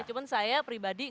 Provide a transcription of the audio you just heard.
cuman saya pribadi